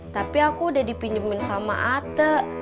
tapi aku udah dipinjemin sama ate